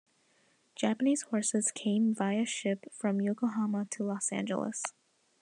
Japanese horses came via ship from Yokohama to Los Angeles.